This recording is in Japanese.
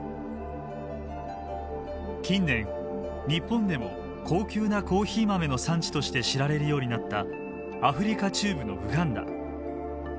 近年日本でも高級なコーヒー豆の産地として知られるようになったアフリカ中部のウガンダ。